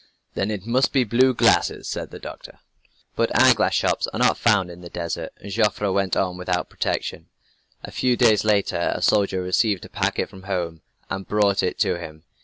"Then it must be blue glasses," said the doctor. But eyeglass shops are not found in the desert, and Joffre went on without protection. A few days later a soldier received a packet from home and brought it to him.